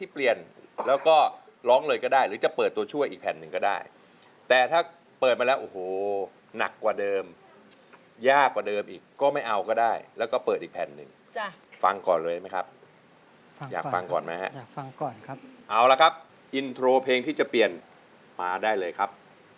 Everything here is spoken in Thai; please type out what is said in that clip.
เพลงแรกครับ